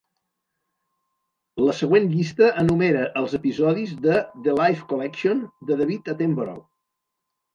La següent llista enumera els episodis de "The Life Collection", de David Attenborough.